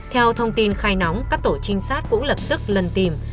theo thông tin khai nóng các tổ trinh sát cũng lập tức lần tìm